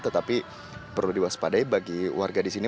tetapi perlu diwaspadai bagi warga di sini